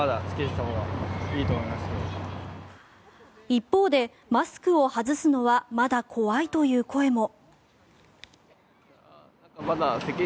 一方で、マスクを外すのはまだ怖いという声も。